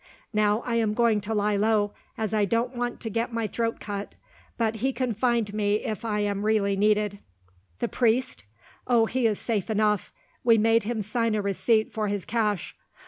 Now I am going to lie low, as I don't want to get my throat cut, but he can find me if I am really needed. "The priest? Oh, he is safe enough. We made him sign a receipt for his cash.